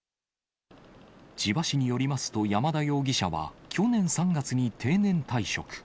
千葉市によりますと、山田容疑者は去年３月に定年退職。